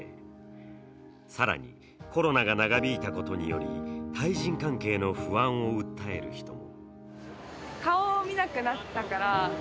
さらに、コロナが長引いたことにより対人関係の不安を訴える人も。